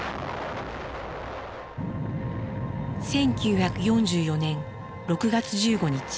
１９４４年６月１５日。